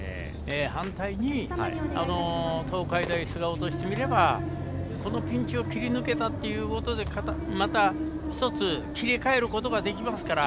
反対に東海大菅生としてみればこのピンチを切り抜けたということでまた１つ切り替えることができますから。